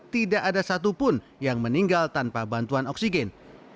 tidak ada satupun yang meninggal tanpa bantuan oksigen